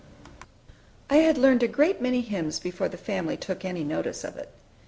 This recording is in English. I had learned a great many hymns before the family took any notice of it.